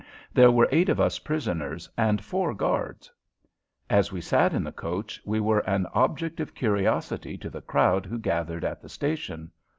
There were eight of us prisoners and four guards. As we sat in the coach we were an object of curiosity to the crowd who gathered at the station.